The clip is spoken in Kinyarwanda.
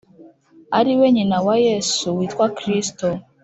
ari we nyina wa Yesu witwa Kristo.